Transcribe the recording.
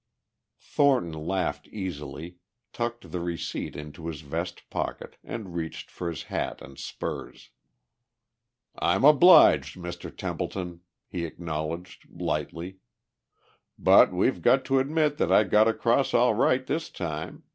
Thornton laughed easily, tucked the receipt into his vest pocket, and reached for his hat and spurs. "I'm obliged, Mr. Templeton," he acknowledged lightly. "But we've got to admit that I got across all right this time.